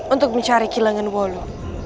untuk mencari kilangan wolu